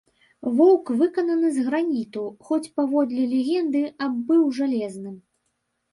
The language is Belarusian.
Воўк выкананы з граніту, хоць паводле легенды аб быў жалезным.